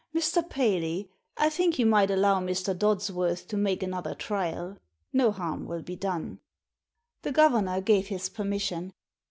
Mr. Paley, I think you might allow Mr. Dodsworth to make another trial. No harm will be done." The governor gave his permission.